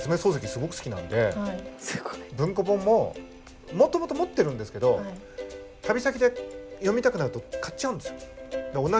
すごく好きなんで文庫本ももともと持ってるんですけど旅先で読みたくなると買っちゃうんですよ。